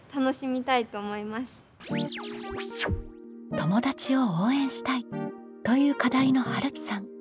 「友達を応援したい」という課題のはるきさん。